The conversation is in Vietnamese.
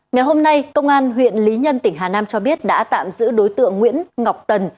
ngày hôm nay công an huyện lý nhân tỉnh hà nam cho biết đã tạm giữ đối tượng nguyễn ngọc tần